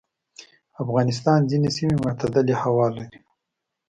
افغانستان ځینې سیمې معتدلې هوا لري.